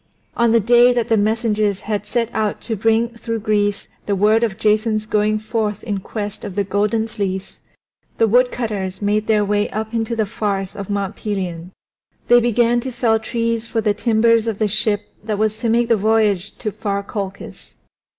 On the day that the messengers had set out to bring through Greece the word of Jason's going forth in quest of the Golden Fleece the woodcutters made their way up into the forests of Mount Pelion; they began to fell trees for the timbers of the ship that was to make the voyage to far Colchis.